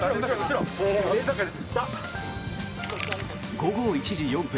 午後１時４分